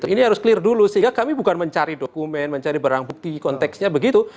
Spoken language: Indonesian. ini harus clear dulu sehingga kami bukan mencari dokumen mencari barang bukti konteksnya begitu